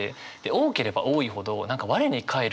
多ければ多いほどあ